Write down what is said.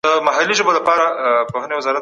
خصوصي سکتور باید د دولت له قوانینو پیروي وکړي.